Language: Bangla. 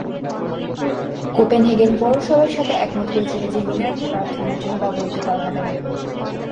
কোপেনহেগেন পৌরসভার সাথে একমত হয়েছিল যে মিনারটি প্রার্থনার জন্য ব্যবহৃত করা হবে না।